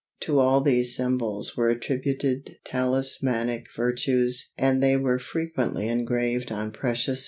To all these symbols were attributed talismanic virtues and they were frequently engraved on precious stones.